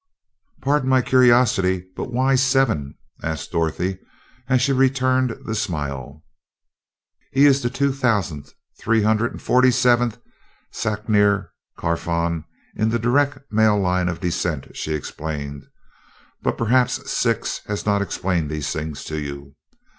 "Pardon my curiosity, but why 'Seven'?" asked Dorothy, as she returned the smile. "He is the two thousand three hundred and forty seventh Sacner Carfon in direct male line of descent," she explained. "But perhaps Six has not explained these things to you.